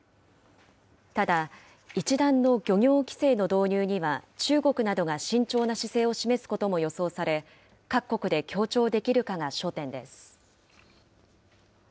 ただ、一段の漁業規制の導入には、中国などが慎重な姿勢を示すことも予想され、各国で協調できるかが焦点です。